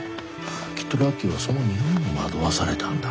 きっとラッキーはその匂いに惑わされたんだ。